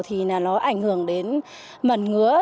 thì nó ảnh hưởng đến mẩn ngứa